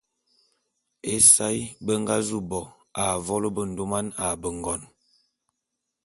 Ésae…be nga zu bo a mvolo bendôman a bengon.